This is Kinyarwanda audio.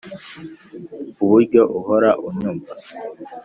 uburyo uhora unyumva.